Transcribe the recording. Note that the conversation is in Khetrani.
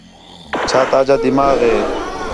چھا تاجا دماغ ہِے